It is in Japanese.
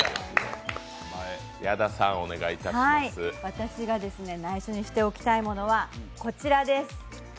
私が内緒にしておきたいものは、こちらです。